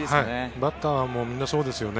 バッター、みんなそうですよね。